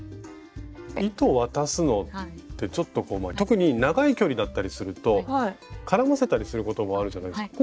糸を渡すのってちょっとこう特に長い距離だったりすると絡ませたりすることもあるじゃないですか